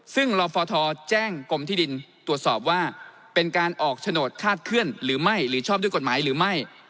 ซึ่งลฟทแจ้งกรมที่ดินตรวจสอบว่าเป็นการออกโฉนดคาดเคลื่อนหรือไม่หรือชอบด้วยกฎหมายหรือไม่